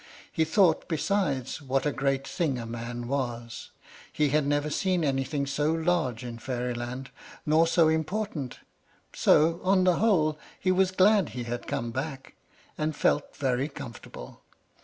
He thought, besides, what a great thing a man was; he had never seen anything so large in Fairyland, nor so important; so, on the whole, he was glad he had come back, and felt very comfortable.